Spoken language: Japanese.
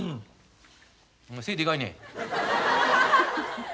お前背でかいね。